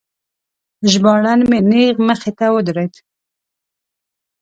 ژباړن مې نیغ مخې ته ودرید.